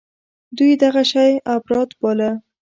دوى دغه شى اپرات باله.